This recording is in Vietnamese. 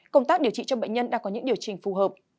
công tác điều trị cho bệnh nhân đã có những điều chỉnh phù hợp